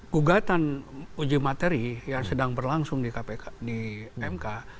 gugatan uji materi yang sedang berlangsung di mk